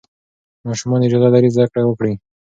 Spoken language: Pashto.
ماشومان اجازه لري زده کړه وکړي.